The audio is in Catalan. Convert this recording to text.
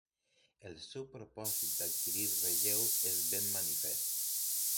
El seu propòsit d'adquirir relleu és ben manifest.